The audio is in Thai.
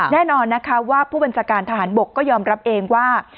แน่นอนนะคะว่าผู้บัญชาการทหารบกก็ยอมรับเองว่า